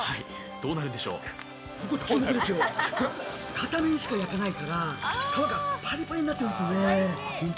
片面しか焼かないから皮がパリパリになってるんですね。